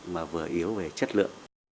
mà vừa yếu về chất lượng